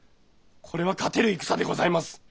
これは勝てる戦でございます！